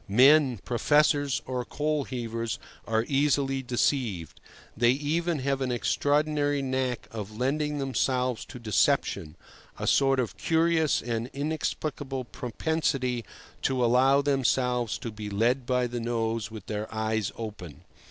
Men, professors or coal heavers, are easily deceived; they even have an extraordinary knack of lending themselves to deception, a sort of curious and inexplicable propensity to allow themselves to be led by the nose with their eyes open.